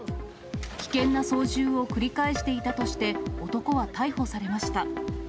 危険な操縦を繰り返していたとして、男は逮捕されました。